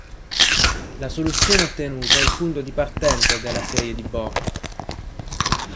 La soluzione ottenuta è il punto di partenza della serie di Born.